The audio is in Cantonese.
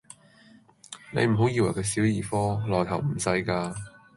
你唔好以為佢小兒科，來頭唔細架